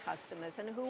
dan siapa yang akan